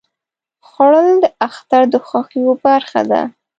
خوړل د اختر د خوښیو برخه ده